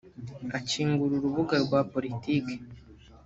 Akingura urubuga rwa politiki